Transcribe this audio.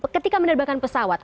ketika menerbangkan pesawat